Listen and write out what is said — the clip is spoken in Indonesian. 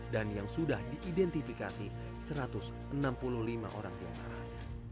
dan yang sudah diidentifikasi satu ratus enam puluh lima orang yang marah